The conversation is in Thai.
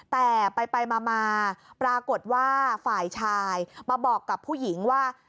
แต่ไปมาปรากฏว่าฝ่ายชายมาบอกกับผู้หญิงว่า